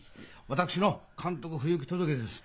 私の監督不行き届きです。